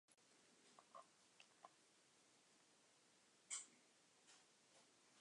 Frieden is now an Emeritus Professor of Optical Sciences at the University of Arizona.